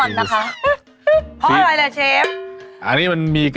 ออร่อยจริงออร่อยจริงออร่อยจริงอ